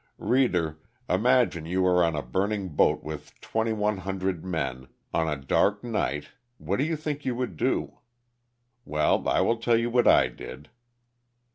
Reader! Imagine you are on a burning boat with twenty one hundred men, on a dark night, what do you think you would do? Well, I will tell you what I did.